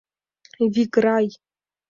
Виграй.